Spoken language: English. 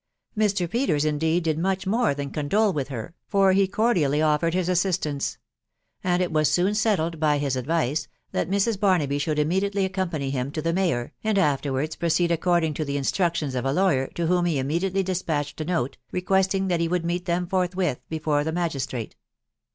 Mr. Peters, indeed, did much more than condole with her, for he cordially offered his assistance; and it was soon settled, by his advice, that Mrs. Barnaby should immediately accompany him to the mayor, and afterwards proceed according to the instructions of a lawyer, to whom he immediately despatched a note, request ing that he would meet them forthwith before the magistrate.